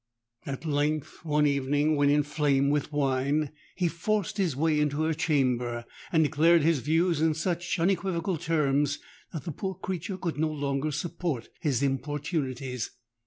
At length, one evening, when inflamed with wine, he forced his way into her chamber, and declared his views in such unequivocal terms, that the poor creature could no longer support his importunities.